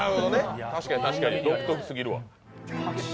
確かに確かに、独特すぎるわ。